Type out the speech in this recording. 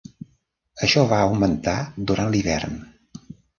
Això va augmentar durant l'hivern.